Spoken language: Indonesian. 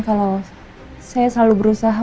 kalau saya selalu berusaha